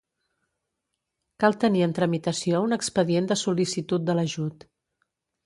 Cal tenir en tramitació un expedient de sol·licitud de l'ajut.